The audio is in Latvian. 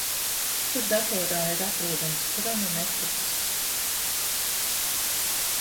Kur datorā ir atrodams hronometrs?